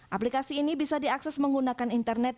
aplikasi ini bisa diakses menggunakan internet